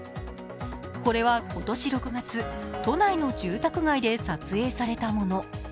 これは今年６月都内の住宅街で撮影されたもの。